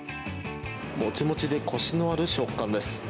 もちもちでこしのある食感です。